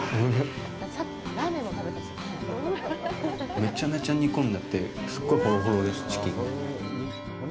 めちゃめちゃ煮込んであってすごいホロホロです、チキンが。